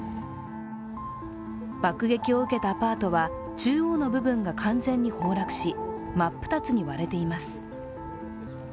爆撃を受けたアパートは中央の部分が完全に崩落し真っ二つに割れています。